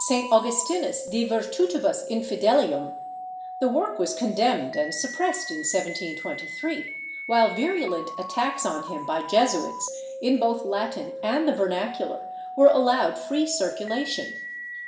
Augustinus de Virtutibus Infidehum/' the work was condemned and suppressed in 1723, while virulent attacks on him by Jesuits, in both Latin and the vernacular, were allowed free circulation."